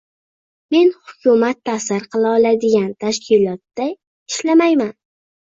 Men hukumat ta'sir qila oladigan tashkilotda ishlamayman